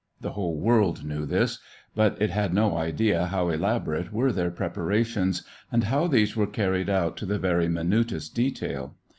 The whole world knew this, but it had no idea how elaborate were their preparations, and how these were carried out to the very minutest detail.